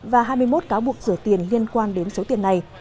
và hai mươi một cáo buộc rửa tiền liên quan đến số tiền này